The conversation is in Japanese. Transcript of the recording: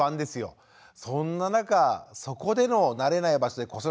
そんな中そこでの慣れない場所で子育てこれは心細いですよね。